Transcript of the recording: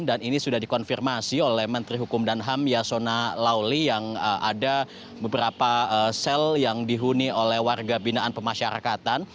dan ini sudah dikonfirmasi oleh menteri hukum dan ham yasona lauli yang ada beberapa sel yang dihuni oleh warga binaan pemasyarakatan